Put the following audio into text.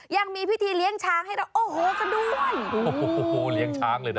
ยังมีพิธีเลี้ยงช้างให้เราโอ้โหกันด้วยโอ้โหเลี้ยงช้างเลยนะ